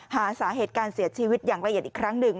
หาสาเหตุการเสียชีวิตอย่างละเอียดอีกครั้งหนึ่ง